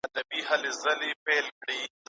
موږ تېره شپه په مېلمستیا کي ډېر خوشاله وو.